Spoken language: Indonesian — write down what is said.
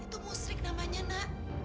itu musrik namanya nak